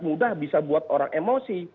mudah bisa buat orang emosi